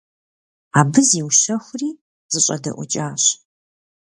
Абы зиущэхури зэщӀэдэӀукӀащ.